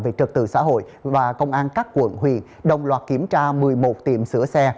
về trật tự xã hội và công an các quận huyện đồng loạt kiểm tra một mươi một tiệm sửa xe